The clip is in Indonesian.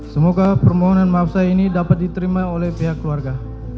semoga permohonan maaf saya ini dapat diterima oleh pihak keluarga